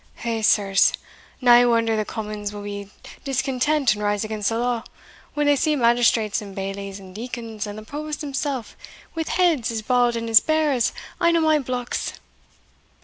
Hegh, sirs! nae wonder the commons will be discontent and rise against the law, when they see magistrates and bailies, and deacons, and the provost himsell, wi' heads as bald and as bare as ane o' my blocks!"